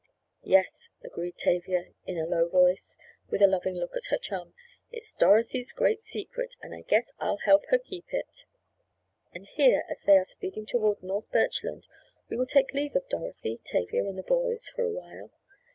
"Yes," agreed Tavia in a low voice with a loving look at her chum, "It's Dorothy's great secret and I guess I'll help her keep it." And here, as they are speeding toward North Birchland, we will take leave of Dorothy, Tavia and the boys for a while.